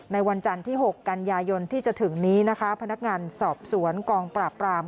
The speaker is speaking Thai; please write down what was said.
วันจันทร์ที่๖กันยายนที่จะถึงนี้นะคะพนักงานสอบสวนกองปราบปราม